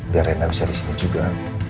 biar rena bisa disini juga